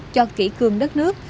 cho kỹ cương đất nước